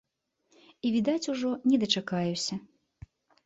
І відаць, ужо не дачакаюся.